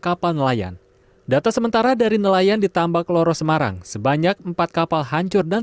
kapal nelayan data sementara dari nelayan di tambak loro semarang sebanyak empat kapal hancur dan